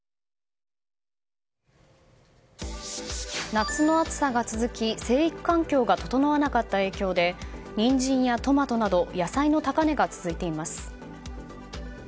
夏の暑さが続き生育環境が整わなかった影響でニンジンやトマトなど野菜の高値が続いています。